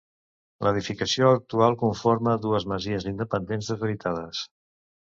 L'edificació actual conforma dues masies independents deshabitades.